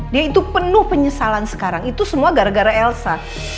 dia itu penuh penyesalan sekarang itu semua gara gara elsa